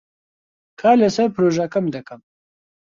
کار لەسەر پرۆژەکەم دەکەم.